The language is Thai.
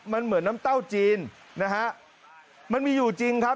มันเหมือนน้ำเต้าจีนนะฮะมันมีอยู่จริงครับ